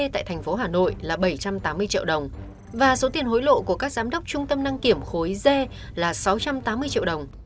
tại tp hcm là bảy trăm tám mươi triệu đồng và số tiền hối lộ của các giám đốc trung tâm đăng kiểm khối d là sáu trăm tám mươi triệu đồng